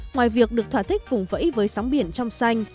ngoài việc được thỏa thích vùng vẫy với sóng biển trong xanh